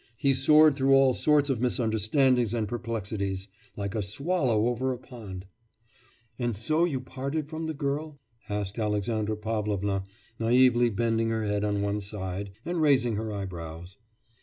He soared through all sorts of misunderstandings and perplexities, like a swallow over a pond.' 'And so you parted from the girl?' asked Alexandra Pavlovna, naively bending her head on one side, and raising her eyebrows.